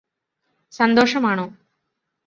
സന്തോഷമാണോ